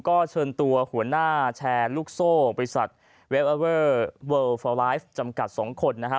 ก็เชิญตัวหัวหน้าแชร์ลูกโซ่บริษัทจำกัดสองคนนะฮะ